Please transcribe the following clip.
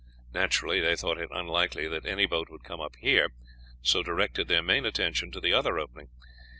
Naturally, they thought it unlikely that any boat would come up here, and so directed their main attention to the other opening.